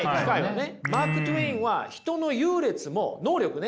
マーク・トウェインは人の優劣も能力ね